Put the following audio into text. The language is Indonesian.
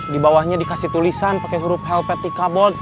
di bawahnya dikasih tulisan pake huruf helvetica bold